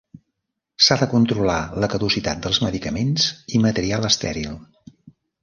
S'ha de controlar la caducitat dels medicaments i material estèril.